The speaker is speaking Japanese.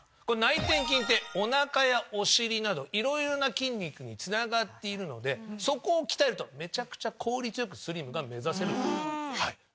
これ内転筋っておなかやお尻など色々な筋肉につながっているのでそこを鍛えるとめちゃくちゃ効率よくスリムが目指せる。